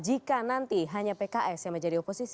jika nanti hanya pks yang menjadi oposisi